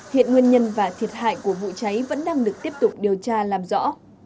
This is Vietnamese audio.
hiện nguyên nhân và thiệt hại của vụ cháy vẫn đang được tiếp tục điều tra làm rõ